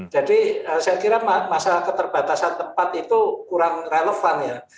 jadi saya kira masalah keterbatasan tempat itu kurang relevan ya